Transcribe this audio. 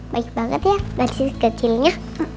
baik banget ya masih kecilnya